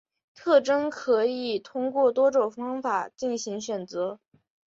特征可以通过多种方法进行选择。